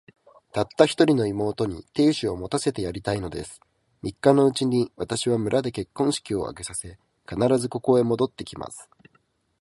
たった一人の妹に、亭主を持たせてやりたいのです。三日のうちに、私は村で結婚式を挙げさせ、必ず、ここへ帰って来ます。